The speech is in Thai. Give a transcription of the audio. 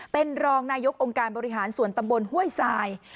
เป็นรองนายกองค์การบริหารส่วนตำบลห้วยทราย